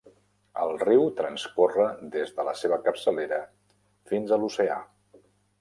El riu transcorre des de la seva capçalera fins a l'oceà.